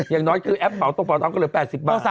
อย่างน้อยคือแอปเบาตกก็เหลือ๘๐บาท